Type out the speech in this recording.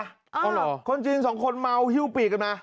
เอาเหรอคนจีนสองคนเมาฮิ้วปีกกันมา